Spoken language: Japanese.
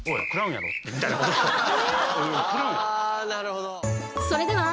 あなるほど。